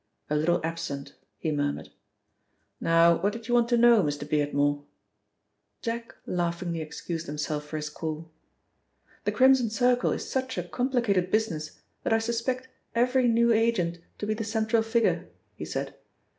"A little absent," he murmured. "Now what did you want to know, Mr. Beardmore?" Jack laughingly excused himself for his call. "The Crimson Circle is such a complicated business that I suspect every new agent to be the central figure," he said.